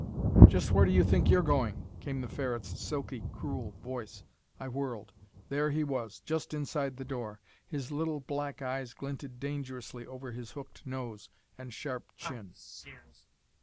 "Just where do you think you're going?" came the Ferret's silky, cruel voice. I whirled. There he was, just inside the door. His little black eyes glinted dangerously over his hooked nose and sharp chin.